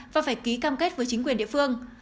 và phải ký cam kết với chính quyền địa phương